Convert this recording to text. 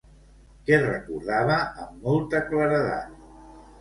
Què recordava amb molta claredat?